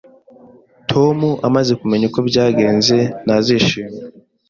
Tom amaze kumenya uko byagenze, ntazishima